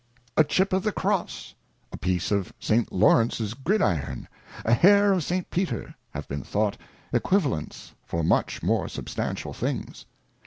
A Chip of the Cross, a piece of St. Laurence's Grid iron, a Hair of St. Peter, have been thought Equivalents, for much more substantial things.